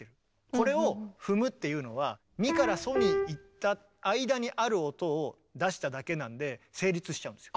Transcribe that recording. これを踏むっていうのはミからソにいった間にある音を出しただけなんで成立しちゃうんですよ。